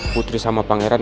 putri sama pangeran